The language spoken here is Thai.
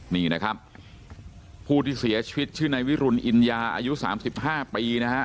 นี่นะครับผู้ที่เสียชีวิตชื่อในวิรุณอินยาอายุสามสิบห้าปีนะฮะ